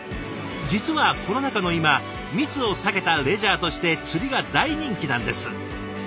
実はコロナ禍の今密を避けたレジャーとして釣りが大人気なんです。